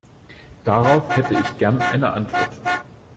Darauf hätte ich gern eine Antwort.